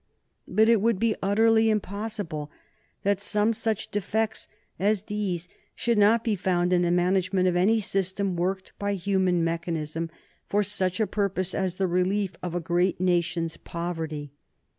But it would be utterly impossible that some such defects as these should not be found in the management of any system worked by human mechanism for such a purpose as the relief of a great nation's poverty.